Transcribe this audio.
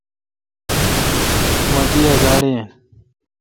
مہ دی ا گاڑی این۔